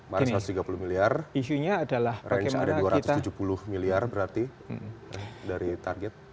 mar satu ratus tiga puluh miliar range ada dua ratus tujuh puluh miliar berarti dari target